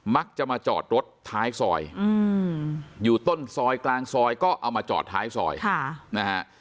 มักจะมาจอดรถท้ายซอยอยู่ต้นซอยกลางซอยก็เอามาจอดท้ายซอยนะฮะ